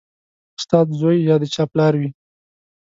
استاد زوی یا د چا پلار وي